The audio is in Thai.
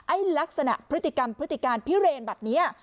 ลักษณะพฤติกรรมพฤติการพิเรนแบบนี้